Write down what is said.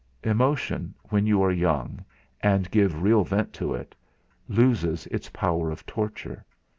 Emotion, when you are young, and give real vent to it, loses its power of torture.